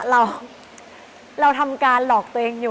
ส่วนลึกคิดตอนนั้นเราทำการหลอกตัวเอง